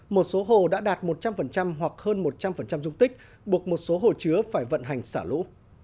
một số hồ đã đạt một trăm linh hoặc hơn một trăm linh dung tích buộc một số hồ chứa phải vận hành xả lũ